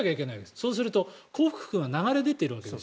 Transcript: そうすると国富が流れ出ているわけです。